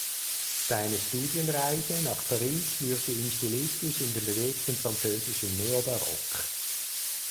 Seine Studienreise nach Paris führte ihn stilistisch in den bewegten französischen Neobarock.